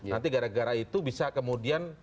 nanti gara gara itu bisa kemudian